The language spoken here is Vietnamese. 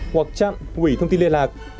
hoặc chặn quỹ thông tin liên lạc